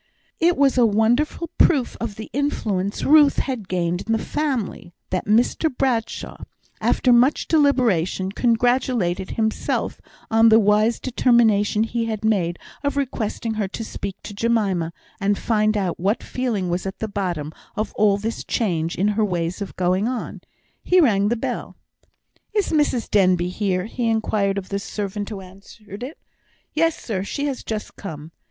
It was a wonderful proof of the influence Ruth had gained in the family, that Mr Bradshaw, after much deliberation, congratulated himself on the wise determination he had made of requesting her to speak to Jemima, and find out what feeling was at the bottom of all this change in her ways of going on. He rang the bell. "Is Mrs Denbigh here?" he inquired of the servant who answered it. "Yes, sir; she is just come."